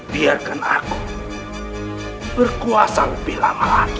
biarkan aku berkuasa lebih lama